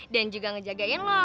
dan juga ngejagain lo